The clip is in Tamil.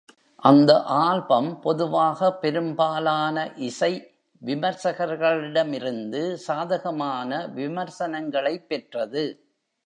அந்த ஆல்பம் பொதுவாக பெரும்பாலான இசை விமர்சகர்களிடமிருந்து சாதகமான விமர்சனங்களைப் பெற்றது.